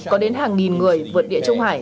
có đến hàng nghìn người vượt địa trung hải